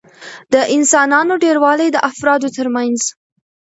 د انسانانو ډېروالي د افرادو ترمنځ